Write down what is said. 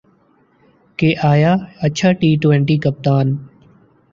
کہ آیا اچھا ٹی ٹؤنٹی کپتان